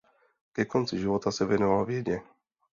Ke konci života se věnoval vědě.